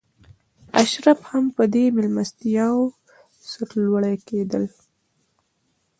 اشراف هم په دې مېلمستیاوو سرلوړي کېدل.